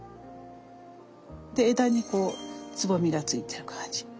で枝にこうつぼみがついてる感じ。